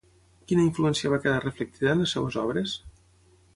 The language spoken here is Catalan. Quina influència va quedar reflectida en les seves obres?